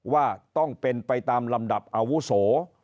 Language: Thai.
ว่าต้องเป็นไปตามลำดับอาวุโส